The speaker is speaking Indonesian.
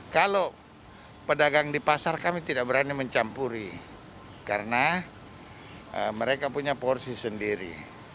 kalau pedagang di pasar kami tidak berani mencampuri karena mereka punya porsi sendiri